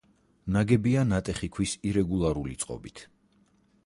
ნაგებია ნატეხი ქვის ირეგულარული წყობით.